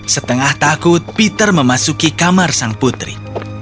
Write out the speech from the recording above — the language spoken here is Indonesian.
setengah takut peter memasuki kamar sang putri